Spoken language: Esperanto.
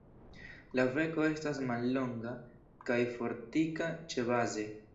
La beko estas mallonga kaj fortika ĉebaze.